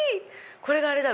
これがあれだ